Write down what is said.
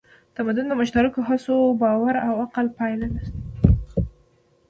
تمدن د مشترکو هڅو، باور او عقل پایله ده.